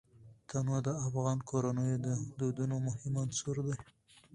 تنوع د افغان کورنیو د دودونو مهم عنصر دی.